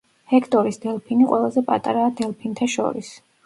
ჰექტორის დელფინი ყველაზე პატარაა დელფინთა შორის.